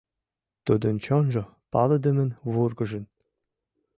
Тудын чонжо палыдымын вургыжын.